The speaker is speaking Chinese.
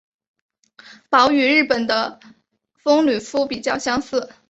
褓与日本的风吕敷比较相似。